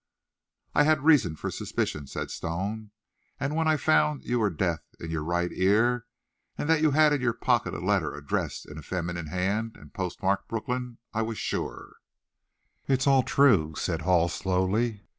"I had reason for suspicion," said Stone; "and when I found you were deaf in your right ear, and that you had in your pocket a letter addressed in a feminine hand, and postmarked `Brooklyn,' I was sure." "It's all true," said Hall slowly.